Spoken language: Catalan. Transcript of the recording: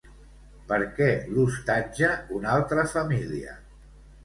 Per què l'hostatja una altra família?